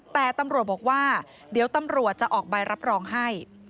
แต่ตำรวจบอกว่าเดี๋ยวตำรวจจะออกใบรับรองให้